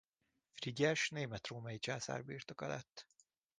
Frigyes német-római császár birtoka lett.